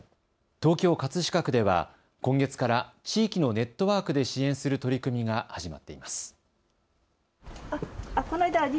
東京葛飾区では今月から地域のネットワークで支援する取り組みが始まっています。